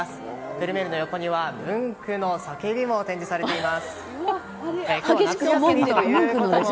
フェルメールの横にはムンクの「叫び」も展示されています。